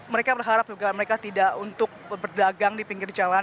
mereka berharap juga mereka tidak untuk berdagang di pinggir jalan